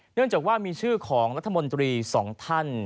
เนื่องจากว่ามีชื่อของรัฐมนตรีสองท่าน